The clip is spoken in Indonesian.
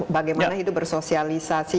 bagaimana itu bersosialisasi